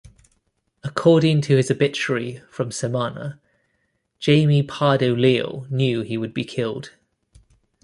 According to his obituary from Semana, Jaime Pardo Leal knew he would be killed.